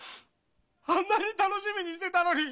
あんなに楽しみにしてたのに！